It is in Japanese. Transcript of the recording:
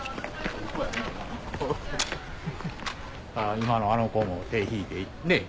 今のあの子も手引いてねぇ。